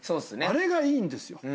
あれがいいんですよ。